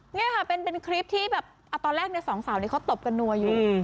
นี่ค่ะเป็นคลิปที่แบบตอนแรกเนี่ยสองสาวนี้เขาตบกันนัวอยู่